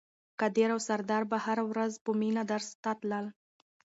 قادر او سردار به هره ورځ په مینه درس ته تلل.